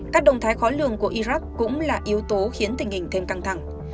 các động thái khó lường của iraq cũng là yếu tố khiến tình hình thêm căng thẳng